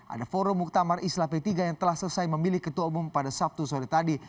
ada forum muktamar islah p tiga yang telah selesai memilih ketua umum pada sabtu sore tadi